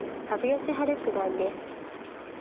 羽生善治九段です。